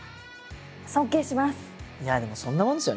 いやでもそんなもんですよ